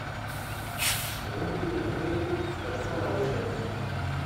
Route des Bons Prés, La Croix-de-la-Rochette